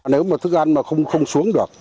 nếu mà thức ăn mà không xuống được